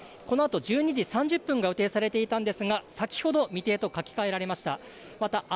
このあと１２時３０分が予定されていたんですが先ほど未定と書き換えられました。